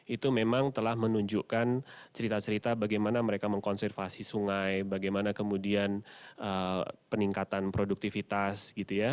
itu memang telah menunjukkan cerita cerita bagaimana mereka mengkonservasi sungai bagaimana kemudian peningkatan produktivitas gitu ya